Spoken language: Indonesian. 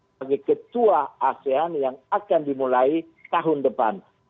sebagai ketua asean yang akan dimulai tahun depan